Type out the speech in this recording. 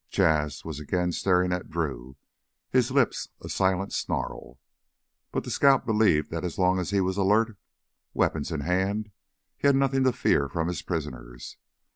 Jas' was again staring at Drew, his lips a silent snarl. But the scout believed that as long as he was alert, weapons in hand, he had nothing more to fear from his prisoners.